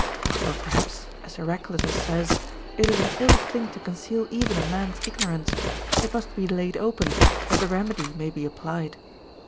For perhaps, as Heraclitus says, it is an ill thing to conceal even a man's ignorance ; it must be laid open, that the remedy may be applied.